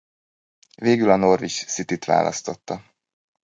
Végül a Norwich Cityt választotta.